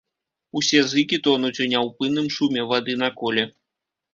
Усе зыкі тонуць у няўпынным шуме вады на коле.